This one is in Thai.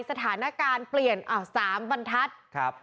สถานการณ์เปลี่ยนอ้าว๓บรรทัศน์ครับ